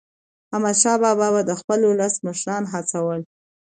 احمدشاه بابا به د خپل ولس مشران هڅول.